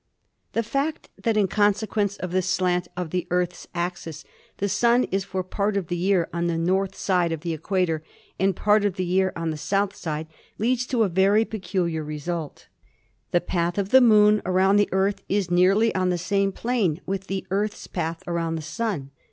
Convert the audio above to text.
"The fact that in consequence of this slant of the Earth's axis the Sun is for part of the year on the north side of the equator and part of the year on the south side leads to a very peculiar result. The path of the Moon around the Earth is nearly on the same plane with the Earth's path around the Sun.